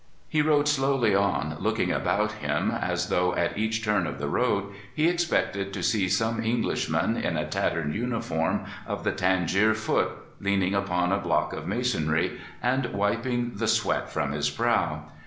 He rode slowly on, looking about him, as though at each turn of the road he expected to see some Englishman in a tattered uniform of the Tangier Foot leaning upon a block of masonry and wiping the sweat from his brow.